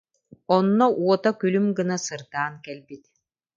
Онно уота күлүм гына сырдаан кэлбит